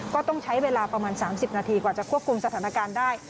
ก็ต้องใช้เวลาประมาณ๓๐นาทีกว่าจะควบคุมสถานการณ์ได้